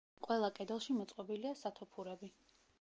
ყველა კედელში მოწყობილია სათოფურები.